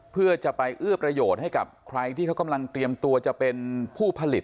เพื่อจะไปเอื้อประโยชน์ให้กับใครที่เขากำลังเตรียมตัวจะเป็นผู้ผลิต